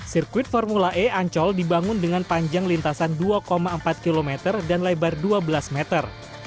sirkuit formula e ancol dibangun dengan panjang lintasan dua empat km dan lebar dua belas meter